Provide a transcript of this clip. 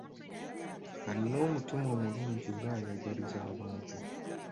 Alina omutima omulungi era ayagaliza abantu.